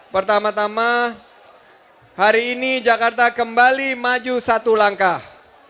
pertama tama hari ini jakarta kembali maju satu langkah